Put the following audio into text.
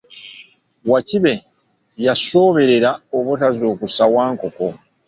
Wakibe yasooberera obutazuukusa Wankoko.